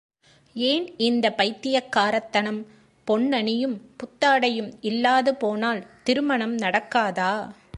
ஏன் இந்தப் பைத்தியக் காரத்தனம் பொன்னணியும் புத்தாடையும் இல்லாது போனால் திருமணம் நடக்காதா?